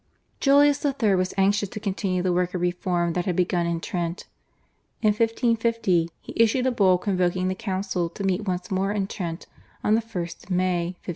Julius III. was anxious to continue the work of reform that had been begun in Trent. In 1550 he issued a Bull convoking the council to meet once more in Trent on the 1st May 1551.